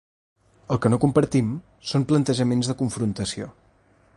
El que no compartim són plantejaments de confrontació.